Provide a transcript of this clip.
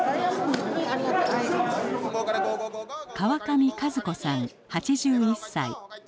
川上和子さん８１歳。